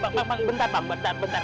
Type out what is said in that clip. bang bang bang bentar bang bentar bentar